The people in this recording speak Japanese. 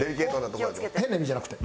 変な意味じゃなくて。